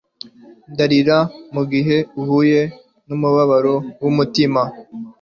ndarira mugihe uhuye numubabaro wumutima